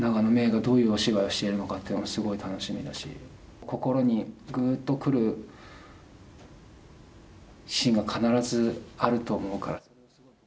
郁がどういうお芝居をしているのかというのもすごい楽しみだし、心にぐっとくるシーンが必ずあると思うから。